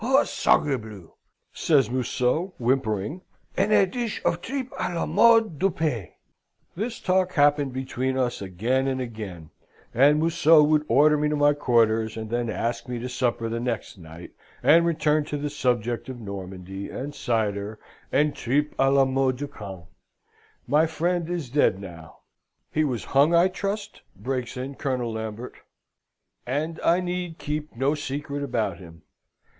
Ah, sacre bleu!' says Museau, whimpering, 'and a dish of tripe a la mode du pays!..." "This talk happened between us again and again, and Museau would order me to my quarters, and then ask me to supper the next night, and return to the subject of Normandy, and cider, and trippes a la mode de Caen. My friend is dead now " "He was hung, I trust?" breaks in Colonel Lambert. " And I need keep no secret about him.